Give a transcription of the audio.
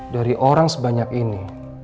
dari orang sebanyak ini